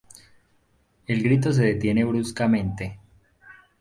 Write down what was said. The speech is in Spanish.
El grito se detiene bruscamente.